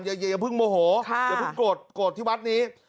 อย่าเพิ่งโมโหอย่าเพิ่งโกรธโกรธที่วัดนี้